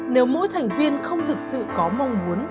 nếu mỗi thành viên không thực sự có mong muốn